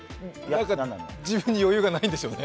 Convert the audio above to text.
自分に余裕がないんでしょうね。